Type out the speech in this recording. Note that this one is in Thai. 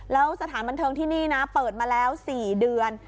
แล้วสถานบันเทิงที่นี่นะเปิดมาแล้ว๔เดือน